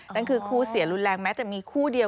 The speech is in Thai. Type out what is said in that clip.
นั่นคือคู่เสียรุนแรงแม้แต่มีคู่เดียว